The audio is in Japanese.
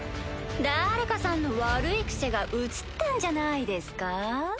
だれかさんの悪い癖がうつったんじゃないですか？